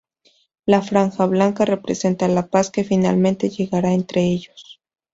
La franja blanca representa la paz que finalmente llegará entre ellos.